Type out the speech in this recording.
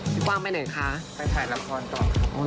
พี่กว้างไปไหนคะไปถ่ายละครก่อน